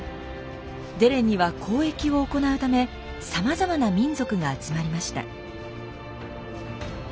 デレンには交易を行うためさまざまな民族が集まりました。